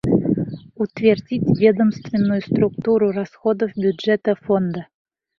Утвердить ведомственную структуру расходов бюджета Фонда: